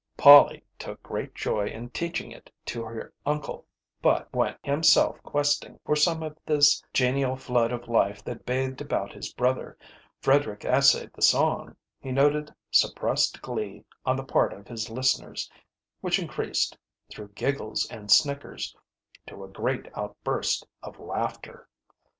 Polly took great joy in teaching it to her uncle, but when, himself questing for some of this genial flood of life that bathed about his brother, Frederick essayed the song, he noted suppressed glee on the part of his listeners, which increased, through giggles and snickers, to a great outburst of laughter.